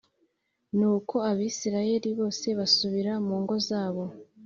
Nuko Abisirayeli bose basubira mu ngo zabo.